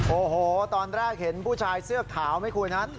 โอ้โหตอนแรกเห็นผู้ชายเสื้อขาวไหมคุณฮะ